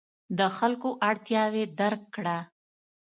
د خلکو اړتیاوې درک کړه.